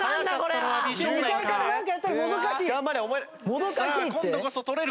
頑張れ！